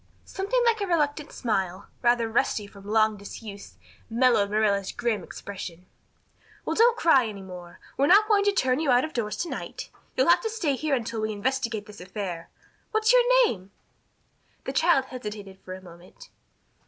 Something like a reluctant smile, rather rusty from long disuse, mellowed Marilla's grim expression. "Well, don't cry any more. We're not going to turn you out of doors to night. You'll have to stay here until we investigate this affair. What's your name?" The child hesitated for a moment.